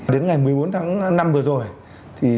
đến ngày một mươi bốn tháng năm vừa rồi